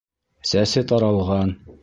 Сәсе таралған.